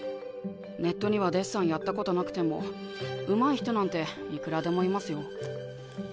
ネットにはデッサンやったことなくてもうまい人なんていくらでもいますよ。